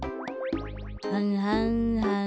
はんはんはん。